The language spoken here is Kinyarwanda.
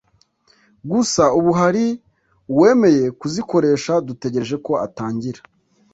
gusa ubu hari uwemeye kuzikoresha dutegereje ko atangira